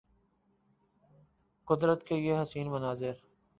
قدرت کے یہ حسین مناظر